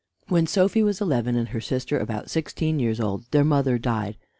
When Sophy was eleven and her sister about sixteen years old their mother died.